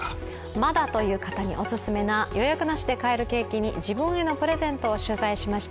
まだという方にオススメな予約なしで買えるケーキに自分へのプレゼントを取材しました。